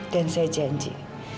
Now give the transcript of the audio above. dan saya janji